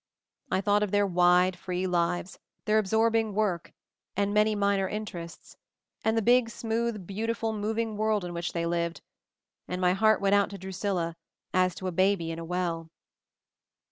I thought of their wide, free lives, their ab sorbing work and many minor interests, and the big, smooth, beautiful, moving world in which they lived, and my heart went out to Drusilla as to a baby in a well.